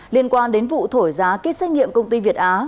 liên quan đến vụ thổi giá kýt xét nghiệm công ty việt á